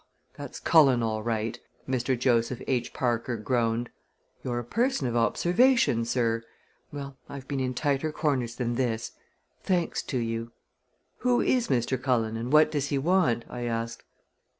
"That's Cullen, all right," Mr. Joseph H. Parker groaned. "You're a person of observation, sir. Well, I've been in tighter corners than this thanks to you!" "Who is Mr. Cullen and what does he want?" I asked.